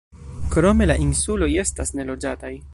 Krome la insuloj estas neloĝataj.